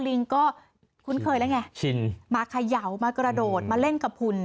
ลิงก็คุ้นเคยแล้วไงชินมาเขย่ามากระโดดมาเล่นกับหุ่น